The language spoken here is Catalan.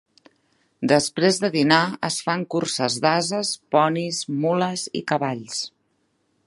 Després de dinar es fan curses d'ases, ponis, mules i cavalls.